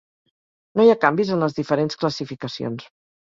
No hi ha canvis en les diferents classificacions.